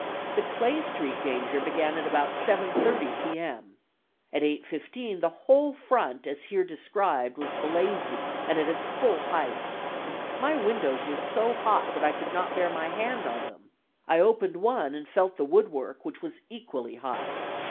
The Clay Street danger began at about 7:30 P. M.. At 8:15 the whole front as here described was blazing and at its full height. My windows were so hot that I could not bear my hand on them. I opened one and felt the woodwork, which was equally hot.